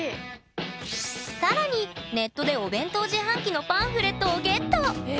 更にネットでお弁当自販機のパンフレットをゲット！